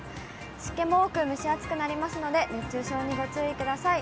湿気も多く蒸し暑くなりますので、熱中症にご注意ください。